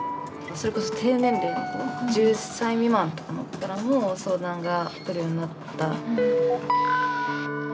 それこそ低年齢の子１０歳未満とかの子からも相談が来るようになった。